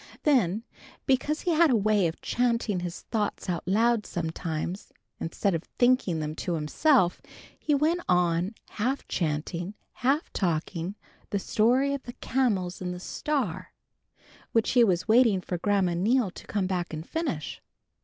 Then because he had a way of chanting his thoughts out loud sometimes, instead of thinking them to himself, he went on, half chanting, half talking the story of the Camels and the Star, which he was waiting for Grandma Neal to come back and finish.